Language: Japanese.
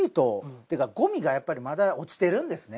っていうかゴミがやっぱりまだ落ちてるんですね。